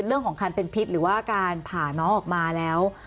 เรื่องของคันเป็นพิษหรือว่าการผ่าน้องออกมาแล้ว